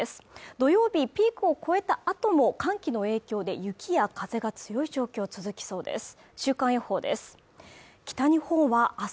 土曜日ピークを越えたあとも寒気の影響で雪や風が強い状況続きそうです